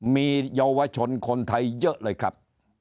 มีเยาวชนคนไทยเยอะเลยครับ